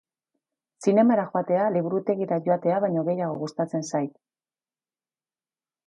Zinemara joatea liburutegira joatea baino gehiago gustatzen zait.